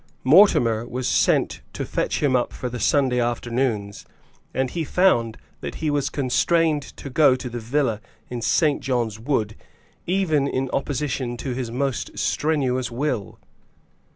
Mortimer was sent to fetch him up for the Sunday afternoons, and he found that he was constrained to go to the villa in St. John's Wood, even in opposition to his own most strenuous will.